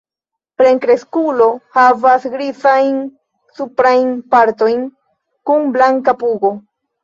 Plenkreskulo havas grizajn suprajn partojn kun blanka pugo.